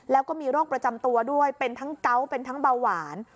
แล้วก็มีโรคประจำตัวด้วยเป็นทั้งเกาะเป็นทั้งเบาหวาน